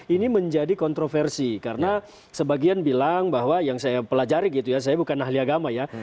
ini menjadi kontroversi karena sebagian bilang bahwa yang saya pelajari gitu ya saya bukan ahli agama ya